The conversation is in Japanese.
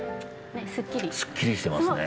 すっきりしてますね。